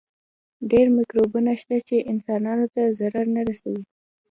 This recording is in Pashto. ډېر مکروبونه شته چې انسانانو ته ضرر نه رسوي.